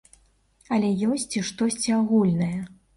Але ёсць і штосьці агульнае.